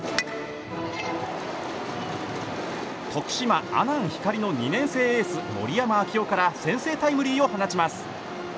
徳島・阿南光の２年生エース森山暁生から先制タイムリーを放ちます。